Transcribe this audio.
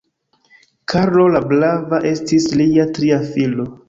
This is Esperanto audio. Karlo la Brava estis lia tria filo.